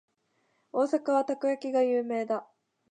大阪はたこ焼きが有名だ。